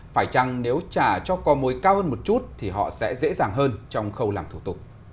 phải chăng nếu trả cho cò mồi cao hơn một chút thì họ sẽ dễ dàng hơn trong khâu làm thủ tục